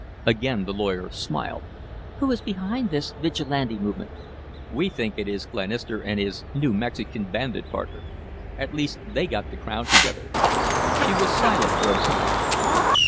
Again the lawyer smiled. "Who is behind this Vigilante movement?" "We think it is Glenister and his New Mexican bandit partner. At least they got the crowd together." She was silent for a time.